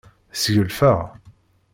Sgelfeɣ.